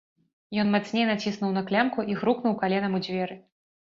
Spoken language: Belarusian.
Ён мацней націснуў на клямку і грукнуў каленам у дзверы.